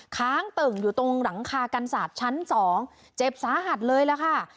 ค้างตึ่งอยู่ตรงหลังคากันศาสตร์ชั้นสองเจ็บสาหัสเลยล่ะค่ะ